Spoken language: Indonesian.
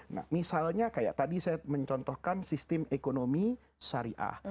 nah misalnya kayak tadi saya mencontohkan sistem ekonomi syariah